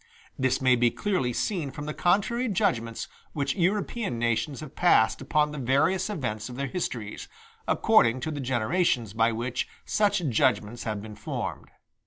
This may be clearly seen from the contrary judgments which European nations have passed upon the various events of their histories, according to the generations by which such judgments have been formed.